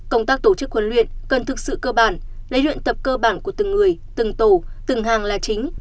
công tác tổ chức huấn luyện cần thực sự cơ bản lấy luyện tập cơ bản của từng người từng tổ từng hàng là chính